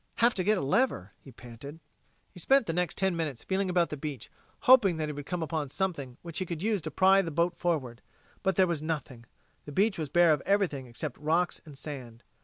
"Have to get a lever," he panted. He spent the next ten minutes feeling about the beach, hoping that he would come upon something which he could use to pry the boat forward. But there was nothing; the beach was bare of everything except rocks and sand.